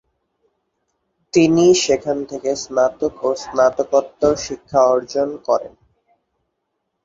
তিনি সেখান থেকে স্নাতক ও স্নাতকোত্তর শিক্ষা অর্জন করেন।